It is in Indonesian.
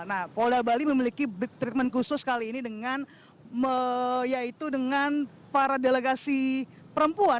nah polda bali memiliki treatment khusus kali ini dengan para delegasi perempuan